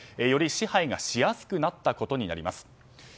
より支配がしやすくなったことになります。